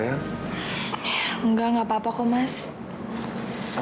kamu k superfici